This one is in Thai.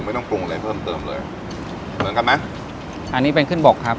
ต้องปรุงอะไรเพิ่มเติมเลยเหมือนกันไหมอันนี้เป็นขึ้นบกครับ